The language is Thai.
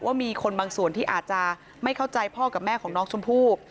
ว่ามีคนบางส่วนที่อาจจะไม่เข้าใจพ่อกับแม่ของน้องชมพู่